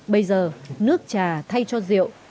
bây giờ nước trà thay cho rượu